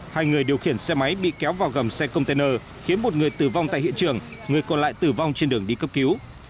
hai người điều khiển xe máy bị kéo vào gầm xe container khiến một người tử vong tại hiện trường người còn lại tử vong trên đường đi cấp cứu